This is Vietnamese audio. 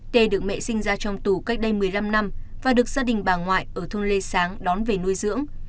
t được mẹ sinh ra trong tù cách đây một mươi năm năm và được gia đình bà ngoại ở thôn lê sáng đón về nuôi dưỡng